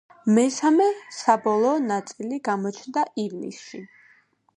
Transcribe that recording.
მესამე საბოლოო ნაწილი გამოჩნდა ივნისში.